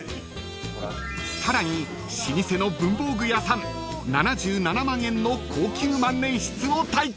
［さらに老舗の文房具屋さん７７万円の高級万年筆を体験］